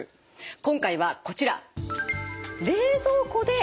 今回はこちら。